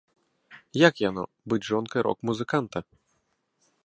Як яно, быць жонкай рок-музыканта?